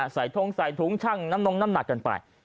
ใส่ถุงชั่งน้ำหนักกันไป